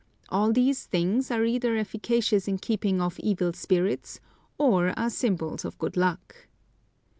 All these things are either efficacious in keeping off evil spirits, or are symbols of good luck.